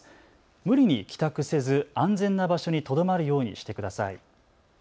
無理に帰宅せず安全な場所にとどまるようにしてください。